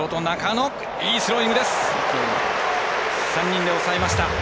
３人で抑えました。